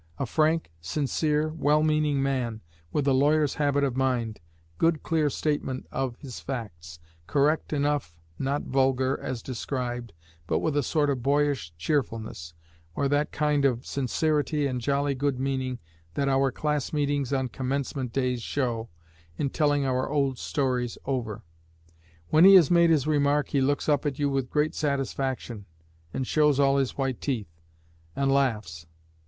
A frank, sincere, well meaning man, with a lawyer's habit of mind, good clear statement of his facts; correct enough, not vulgar, as described, but with a sort of boyish cheerfulness, or that kind of sincerity and jolly good meaning that our class meetings on Commencement Days show, in telling our old stories over. When he has made his remark he looks up at you with great satisfaction, and shows all his white teeth, and laughs....